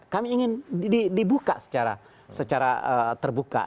kami ingin dibuka secara terbuka